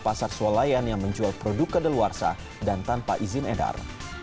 pasar swalayan yang menjual produk ke deluarsa dan tanpa izin edar